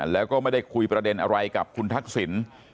แล้วก็ไม่ได้คุยประเด็นอะไรกับคุณทักษิณ